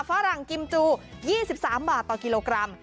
ฝรั่งกิมจู๒๓บาทต่อกิโลกรัม